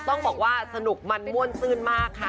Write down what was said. ต้องบอกว่าสนุกมันม่วนซื่นมากค่ะ